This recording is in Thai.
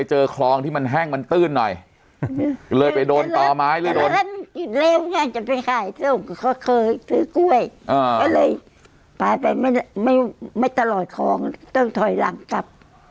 เจอคลองที่มันแห้งมันตื่นหน่อยเลยไปโดนต่อไม้เร็วจะไปขายเขาเคยกล้วยเลยเผาไปไม่ไม่ตลอดคลองต้องถอยหลังกลับ